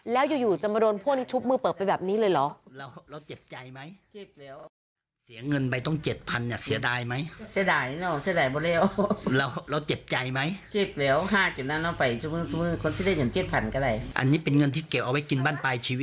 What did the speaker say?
แล้วอยู่จะมาโดนพวกนี้ชุบมือเปิดไปแบบนี้เลยเหรอ